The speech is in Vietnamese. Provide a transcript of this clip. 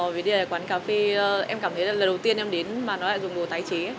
vì đây là quán cà phê em cảm thấy là lần đầu tiên em đến mà nó lại dùng đồ tái chế